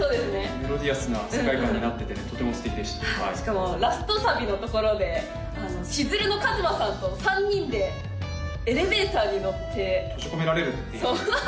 メロディアスな世界観になっててとても素敵でしたしかもラストサビのところでしずるのＫＡＭＡさんと３人でエレベーターに乗って閉じ込められるっていうそう